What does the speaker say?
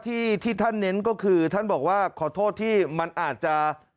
ที่ที่ท่านเน้นก็คือท่านบอกว่าขอโทษที่มันอาจจะ